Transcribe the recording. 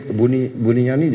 pak tiflansen dipanggil